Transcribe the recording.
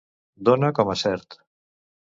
Dóna com a cert.